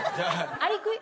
アリクイね。